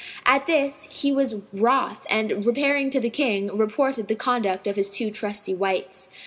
At this, he was wroth and, repairing to the King, reported the conduct of his two trusty wights.